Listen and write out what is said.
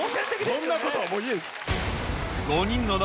そんなことは。